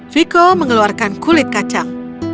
viko mengeluarkan kulit kacang